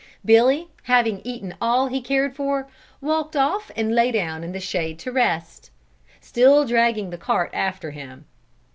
Billy having eaten all he cared for, walked off and lay down in the shade to rest, still dragging the cart after him.